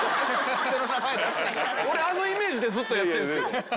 俺あのイメージでずっとやってるんですけど。